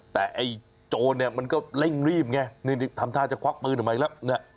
แต่ไอ้โจรมันก็เร่งรีบไงทำท่าจะควักปืนอีกแล้ว